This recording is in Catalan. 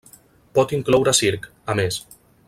Pot incloure circ, a més.